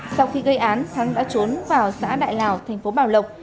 sau khi gây án thắng đã trốn vào xã đại lào tp bảo lộc